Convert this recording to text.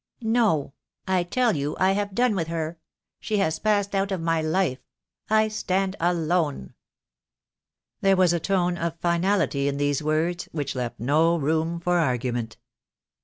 "No! I tell you I have done with her. She has passed out of my life, I stand alone." 20* 308 THE DAY WILL COME. There was a tone of finality in these words which left no room for argument.